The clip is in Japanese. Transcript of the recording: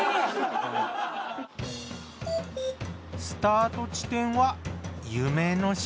スタート地点は夢の島。